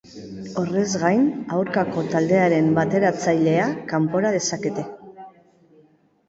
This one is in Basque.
Horrez gain, aurkako taldearen bateratzailea kanpora dezakete.